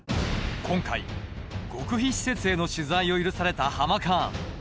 今回極秘施設への取材を許されたハマカーン。